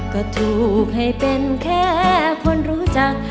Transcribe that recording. ก็ถูกให้เป็นแค่คนรู้จัก